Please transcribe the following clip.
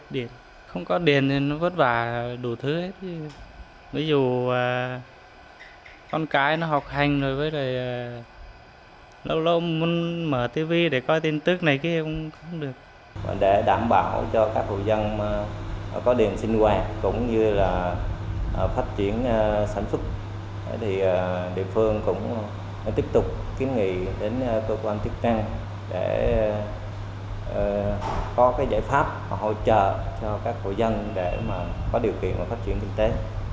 để đảm bảo cho các hộ dân có điện sinh hoạt cũng như là phát triển sản xuất thì địa phương cũng tiếp tục kiếm nghị đến cơ quan tiếp năng để có cái giải pháp hỗ trợ cho các hộ dân để mà có điều kiện phát triển kinh tế